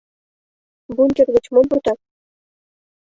Бункер гыч мом пуртат?